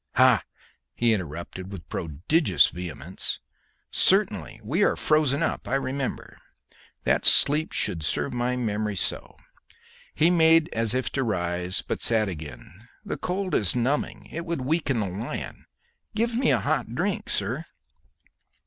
"Ha!" he interrupted with prodigious vehemence, "certainly; we are frozen up I remember. That sleep should serve my memory so!" He made as if to rise, but sat again. "The cold is numbing; it would weaken a lion. Give me a hot drink, sir."